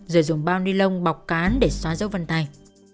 rồi dùng bao ni lông bọc cán để xóa dấu văn tài